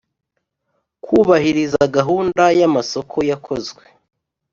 kubahiriza gahunda y amasoko yakozwe